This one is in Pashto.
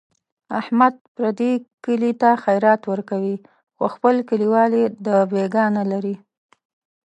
احمد پردي کلي ته خیرات ورکوي، خو خپل کلیوال یې دبیګاه نه لري.